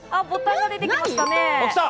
ボタンが出てきましたね。